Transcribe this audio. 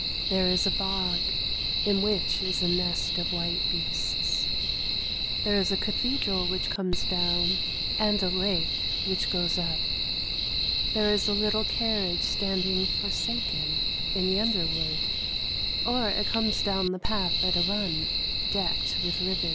There is a bog in which is a nest of white bea l'h. athedral which conies down, and a hike which up. There is .1 little carriage standing forsaken in the under wood; or it (Dines down the path at a run. decked with nbl>.